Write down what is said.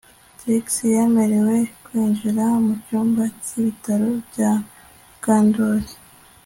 Trix ntiyemerewe kwinjira mu cyumba cyibitaro bya Mukandoli